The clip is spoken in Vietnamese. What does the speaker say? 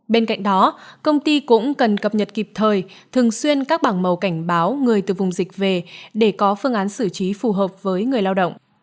bên cạnh đó công ty cũng cần cập nhật kịp thời thường xuyên các bảng màu cảnh báo người từ vùng dịch về để có phương án xử trí phù hợp với người lao động